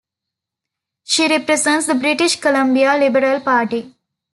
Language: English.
She represents the British Columbia Liberal Party.